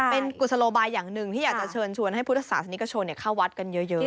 เป็นกุศโลบายอย่างหนึ่งที่อยากจะเชิญชวนให้พุทธศาสนิกชนเข้าวัดกันเยอะ